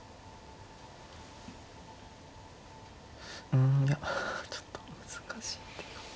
うんいやちょっと難しい手が。